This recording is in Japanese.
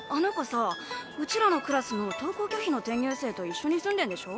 さうちらのクラスの登校拒否の転入生と一緒に住んでんでしょ？